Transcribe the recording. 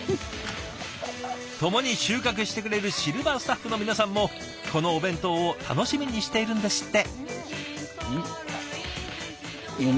共に収穫してくれるシルバースタッフの皆さんもこのお弁当を楽しみにしているんですって！